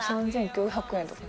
３９００円とか。